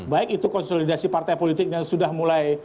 baik itu konsolidasi partai politiknya sudah mulai